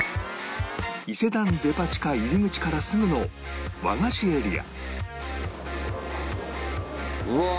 伊勢丹デパ地下入り口からすぐの和菓子エリア